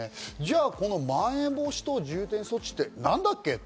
じゃあ、まん延防止等重点措置ってなんだっけ？